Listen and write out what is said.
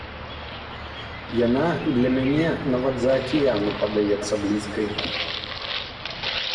Яна для мяне нават з-за акіяну падаецца блізкай.